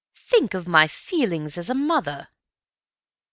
"Think of my feelings as a mother."